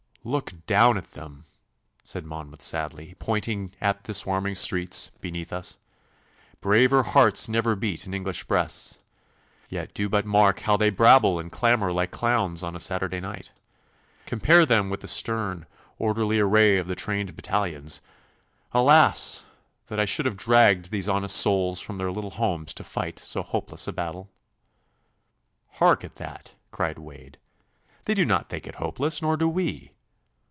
'Look down at them!' said Monmouth sadly, pointing at the swarming streets beneath us. 'Braver hearts never beat in English breasts, yet do but mark how they brabble and clamour like clowns on a Saturday night. Compare them with the stern, orderly array of the trained battalions. Alas! that I should have dragged these honest souls from their little homes to fight so hopeless a battle!' 'Hark at that!' cried Wade. 'They do not think it hopeless, nor do we.